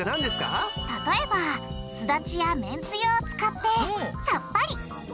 例えばすだちやめんつゆを使ってさっぱり！